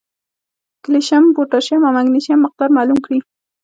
کېلشیم ، پوټاشیم او مېګنيشم مقدار معلوم کړي